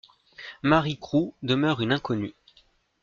Marie Crous demeure une inconnue.